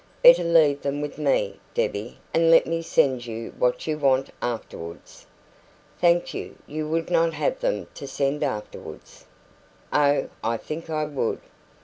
Better leave them with me, Debbie, and let me send you what you want afterwards." "Thank you. You would not have them to send afterwards." "Oh, I think I would."